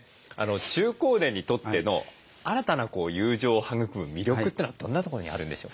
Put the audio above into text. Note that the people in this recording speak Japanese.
中高年にとっての新たな友情を育む魅力というのはどんなところにあるんでしょう？